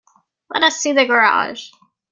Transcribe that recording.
Let us see the garage!